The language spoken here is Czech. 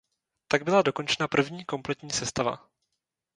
Tak byla dokončena první kompletní sestava.